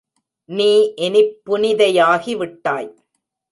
நீ இனிப் புனிதையாகிவிட்டாய்.